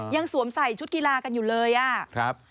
ยังสวมใส่ชุดกีฬากันอยู่เลยอ่ะ